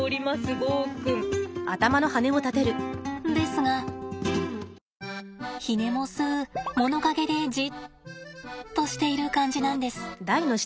ですがひねもす物陰でじっとしている感じなんです。